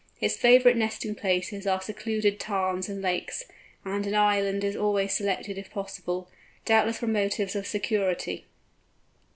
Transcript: Its favourite nesting places are secluded tarns and lakes, and an island is always selected if possible, doubtless from motives of security.